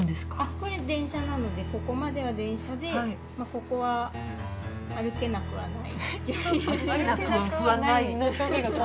これ電車なのでここまでは電車でここは歩けなくはない？